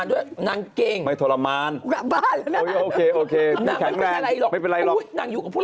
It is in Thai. อื้อใช่อ่ะอ่ะอ๊ะเอาค่ะไอ๊พิสดาร์